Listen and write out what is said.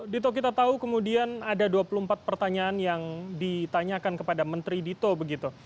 dito kita tahu kemudian ada dua puluh empat pertanyaan yang ditanyakan kepada menteri dito begitu